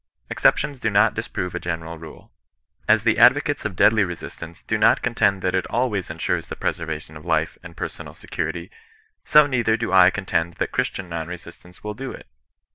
Ex ceptions do not disprove a general rule. As the advo cates of deadly resistance do not contend that it always ensures the preservation of life and personal security, so neither do I contend that Ohristian non resistance will do it.